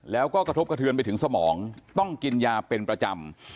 แล้วก็กระทบกระเทือนไปถึงสมองต้องกินยาเป็นประจำ